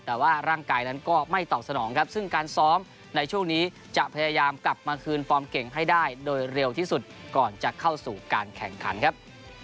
แต่ว่าร่างกายนั้นก็ไม่ตอบสนองครับซึ่งการซ้อมในช่วงนี้จะพยายามกลับมาคืนฟอร์มเก่งให้ได้โดยเร็วที่สุดก่อนจะเข้าสู่การแข่งขันครับ